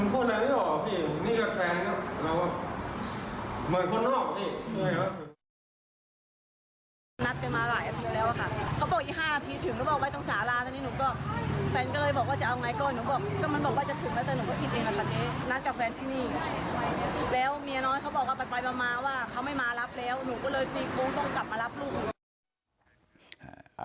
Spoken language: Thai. เขามาว่าเขาไม่มารับแล้วหนูก็เลยสีกรูต้องกลับมารับลูกหนู